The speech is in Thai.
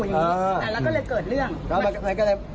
อย่างนี้แล้วก็เลยเกิดเรื่อง